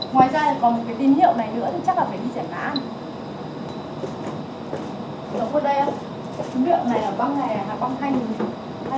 ngoài ra còn một cái tín hiệu này nữa thì chắc là phải đi giải mã